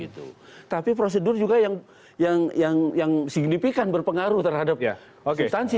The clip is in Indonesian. tapi prosedur juga yang signifikan berpengaruh terhadap substansi